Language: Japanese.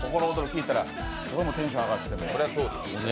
聴いたら、すごいテンション上がって。